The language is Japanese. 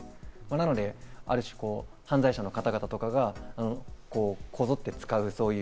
なのである種、犯罪者の方々とかがこぞって使う。